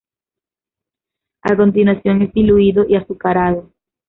A continuación es diluido y azucarado.